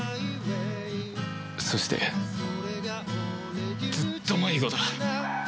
そしてずっと迷子だ